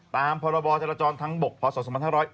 ตามพรบจรจรทั้งบกพศ๒๕๖